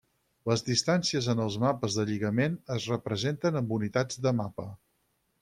Les distàncies en els mapes de lligament es representen amb unitats de mapa.